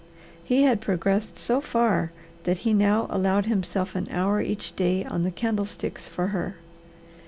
He had progressed so far that he now allowed himself an hour each day on the candlesticks for her.